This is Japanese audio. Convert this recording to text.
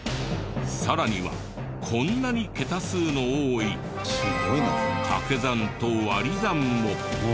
さらにはこんなに桁数の多い掛け算と割り算も。